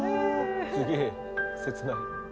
すげえ切ない。